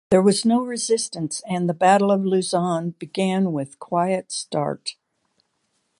There was no resistance, and the Battle of Luzon began with quiet start.